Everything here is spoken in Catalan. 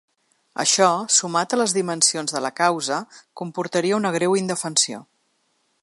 Això, sumat a les dimensions de la causa, comportaria ‘una greu indefensió’.